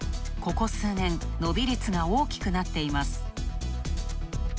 ここ数年、伸び率が大きくなっています。